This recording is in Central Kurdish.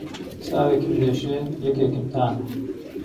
چاوێکم دێشێ یهکێکم تانه